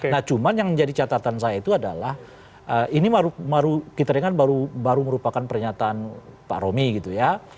nah cuma yang jadi catatan saya itu adalah ini kita dengar baru merupakan pernyataan pak romy gitu ya